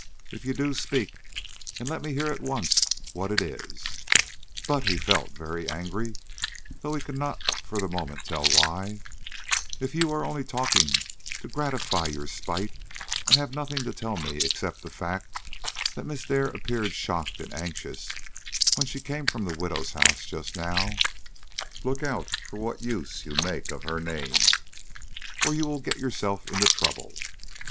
If you do, speak, and let me hear at once what it is. But " he felt very angry, though he could not for the moment tell why "if you are only talking to gratify your spite, and have nothing to tell me except the fact that Miss Dare appeared shocked and anxious when she came from the widow's house just now, look out what use you make of her name, or you will get yourself into trouble.